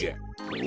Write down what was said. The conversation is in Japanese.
お！